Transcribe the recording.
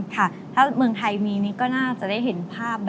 ค่ะถ้าเมืองไทยมีนี่ก็น่าจะได้เห็นภาพ